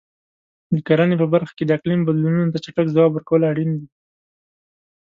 د کرنې په برخه کې د اقلیم بدلونونو ته چټک ځواب ورکول اړین دي.